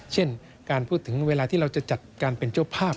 เช่นการพูดถึงเวลาที่เราจะจัดการเป็นเจ้าภาพ